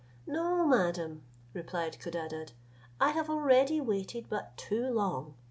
"No, madam," replied Codadad, "I have already waited but too long.